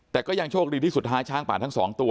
แต่ก็ยังโชคดีที่สุดท้ายช้างป่าทั้งสองตัว